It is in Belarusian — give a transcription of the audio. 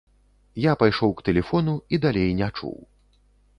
Я пайшоў к тэлефону і далей не чуў.